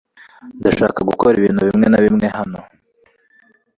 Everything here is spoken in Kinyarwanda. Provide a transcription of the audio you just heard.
Ndashaka gukora ibintu bimwe na bimwe hano .